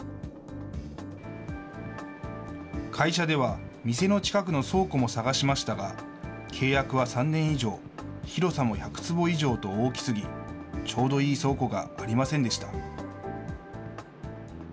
会社では、店の近くの倉庫も探しましたが、契約は３年以上、広さも１００坪以上と大きすぎ、ちょうどいい倉庫がありませんでした。